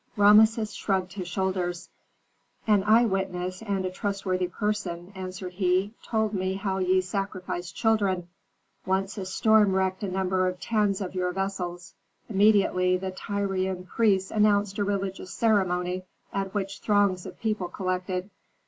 Rameses shrugged his shoulders. "An eyewitness and a trustworthy person," answered he, "told me how ye sacrifice children. Once a storm wrecked a number of tens of your vessels. Immediately the Tyrian priests announced a religious ceremony at which throngs of people collected."